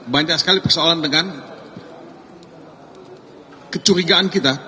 banyak sekali persoalan dengan kecurigaan kita